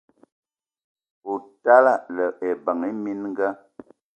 O tala ebeng minga